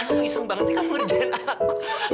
aku tuh iseng banget sih kamu ngerjain aku